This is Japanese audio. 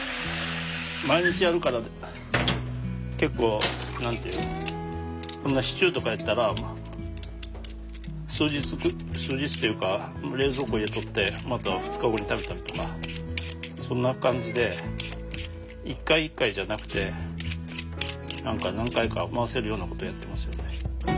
毎日やるから結構何て言うのこんなシチューとかやったらまあ数日っていうか冷蔵庫入れとってまた２日後に食べたりとかそんな感じで一回一回じゃなくて何回か回せるようなことやってますよね。